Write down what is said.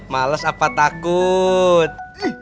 males apa takut